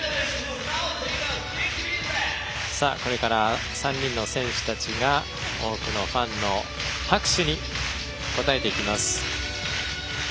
これから３人の選手たちが多くのファンの拍手に応えていきます。